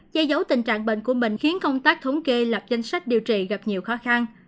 che giấu tình trạng bệnh của mình khiến công tác thống kê lập danh sách điều trị gặp nhiều khó khăn